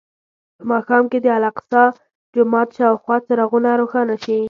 په ماښام کې د الاقصی جومات شاوخوا څراغونه روښانه شي.